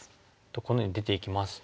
このように出ていきますと。